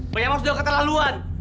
bang yaman sudah keterlaluan